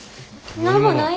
何もない！